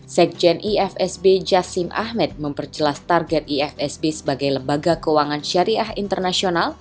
sekjen ifsb jasim ahmed memperjelas target ifsb sebagai lembaga keuangan syariah internasional